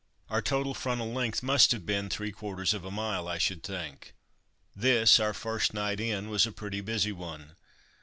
Our total frontal length must have been three quarters of a mile, I should think. This, our first night in, was a pretty busy one.